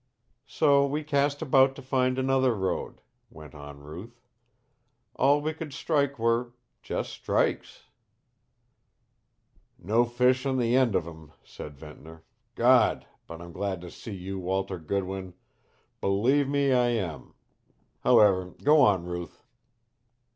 "So we cast about to find another road," went on Ruth. "All we could strike were just strikes." "No fish on the end of 'em," said Ventnor. "God! But I'm glad to see you, Walter Goodwin. Believe me, I am. However go on, Ruth."